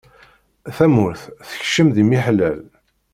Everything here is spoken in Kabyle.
Tamurt tekcem di miḥlal.